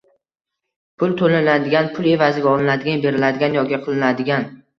Pul toʻlanadigan, pul evaziga olinadigan, beriladigan yoki qilinadigan